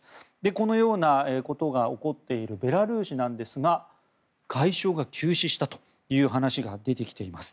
このようなことが起こっているベラルーシですが外相が急死したという話が出てきています。